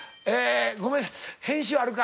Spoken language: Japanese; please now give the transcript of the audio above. ごめん編集あるか。